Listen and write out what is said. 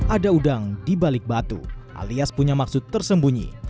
ada udang di balik batu alias punya maksud tersembunyi